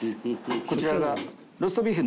こちらが。